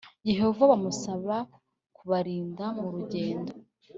Yehova bamusaba kubarinda mu rugendo